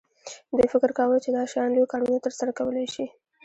دوی فکر کاوه چې دا شیان لوی کارونه ترسره کولی شي